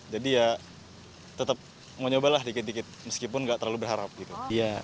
jadi ya tetap mau nyobalah dikit dikit meskipun nggak terlalu berharap gitu